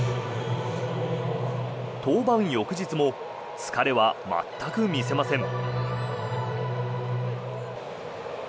登板翌日も疲れは全く見せません。